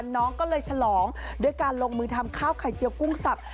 น้องก็เลยฉลองด้วยการลงมือทำข้าวไข่เจียวกุ้งสับ